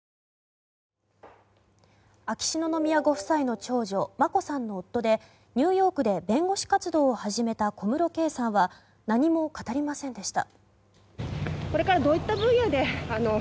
秋篠宮ご夫妻の長女眞子さんの夫でニューヨークで弁護士活動を始めた小室圭さんは何も語りませんでした。